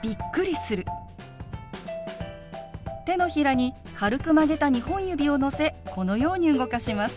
手のひらに軽く曲げた２本指をのせこのように動かします。